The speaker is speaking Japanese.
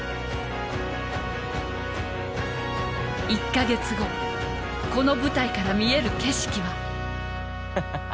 １カ月後この舞台から見える景色は？ハハハ